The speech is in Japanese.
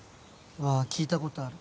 あぁ聞いたことある。